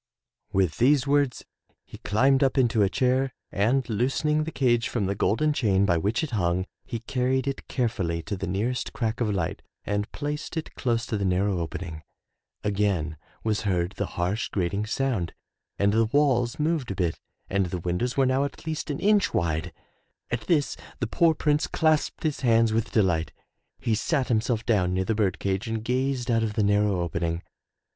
'' With these words he climbed up into a chair and loosening the cage from the golden chain by which it hung, he carried it carefully to the nearest crack of light and placed it close to the narrow opening. Again was heard the harsh, grating sound and the walls moved a bit and the windows were now at least an inch wide. At this the poor Prince clasped his hands with delight. He sat himself down near the bird cage and gazed out of the narrow opening.